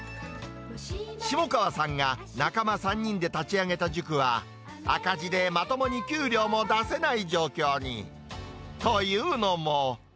下川さんが仲間３人で立ち上げた塾は、赤字でまともに給料も出せない状況に。というのも。